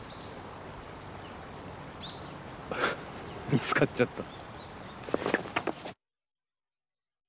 見つかっちゃった。